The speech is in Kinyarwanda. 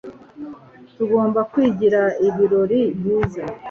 Tugomba kugira ibirori, byiza .